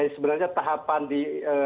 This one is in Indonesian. sebenarnya tahapan di